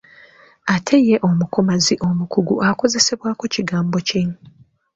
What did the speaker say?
Ate ye omukomazi omukugu akozesebwako kigambo ki?